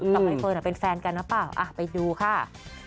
ใบเฟิร์นเป็นแฟนกันหรือเปล่าไปดูค่ะ